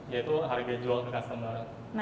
yaitu harga jual ke customer